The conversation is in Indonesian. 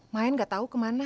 main gak tau kemana